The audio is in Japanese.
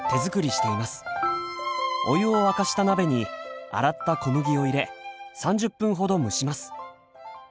お湯を沸かした鍋に洗った小麦を入れ３０分ほど蒸します。